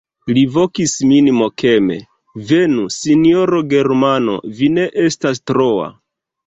Li vokis min mokeme: "Venu, sinjoro Germano, vi ne estas troa."